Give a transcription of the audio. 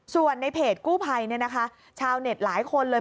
ส่วนในเพจกู้ภัยชาวเน็ตหลายคนเลย